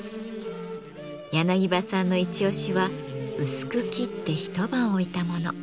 柳葉さんのイチ押しは薄く切って一晩置いたもの。